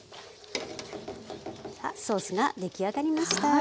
ソースが出来上がりました。